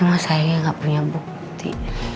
cuma sayangnya gak punya bukti